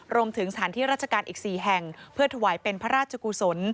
รวมถึงสถานที่ราชการอีก๔แห่งเพื่อถวายเป็นพระราชกุศล